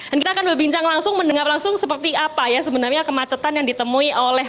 dan kita akan berbincang langsung mendengar langsung seperti apa ya sebenarnya kemacetan yang ditemukan